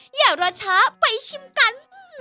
อย่ารอช้าไปชิมกัน